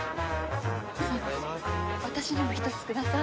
私にも１つください。